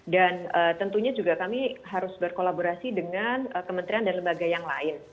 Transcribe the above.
dan tentunya juga kami harus berkolaborasi dengan kementerian dan lembaga yang lain